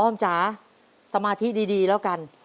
จ๋าสมาธิดีแล้วกัน